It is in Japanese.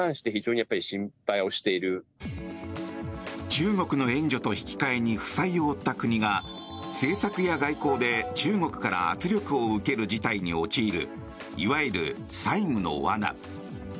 中国の援助と引き換えに負債を負った国が政策や外交で中国から圧力を受ける事態に陥るいわゆる債務の罠。